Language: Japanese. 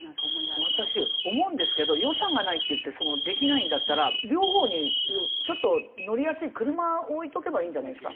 私思うんですけど予算がないっていってできないんだったら両方にちょっと乗りやすい車置いとけばいいんじゃないですか？